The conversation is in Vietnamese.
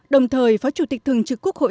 đồng thời phó chủ tịch thường trừ quốc hội